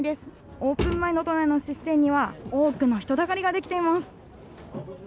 オープン前の都内のすし店には、多くの人だかりが出来ています。